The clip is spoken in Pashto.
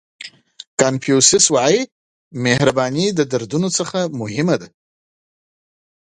کانفیوسیس وایي مهرباني د دردونو څخه مهم دی.